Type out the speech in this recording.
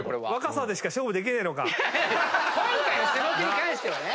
今回の種目に関してはね。